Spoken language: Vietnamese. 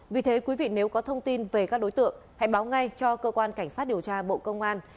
vì thế quý vị nếu có thông tin về các đối tượng hãy báo ngay cho cơ quan cảnh sát điều tra bộ công an